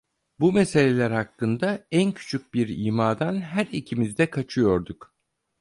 Bu meseleler hakkında en küçük bir imadan her ikimiz de kaçıyorduk.